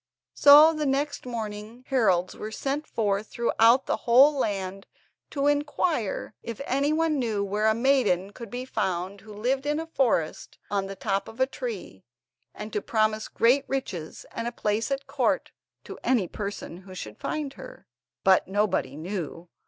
So the next morning heralds were sent forth throughout the whole land to inquire if anyone knew where a maiden could be found who lived in a forest on the top of a tree, and to promise great riches and a place at court to any person who should find her. But nobody knew.